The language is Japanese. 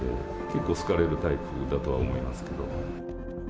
結構、好かれるタイプだとは思いますけど。